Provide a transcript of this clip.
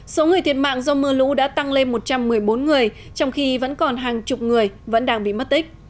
số người thiệt mạng do mưa lũ đã tăng lên một trăm một mươi bốn người trong khi vẫn còn hàng chục người vẫn đang bị mất tích